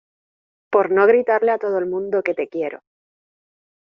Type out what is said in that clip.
por no gritarle a todo el mundo que te quiero